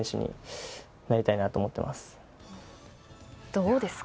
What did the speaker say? どうですか？